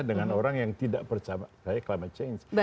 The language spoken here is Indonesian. dengan orang yang tidak percaya climate change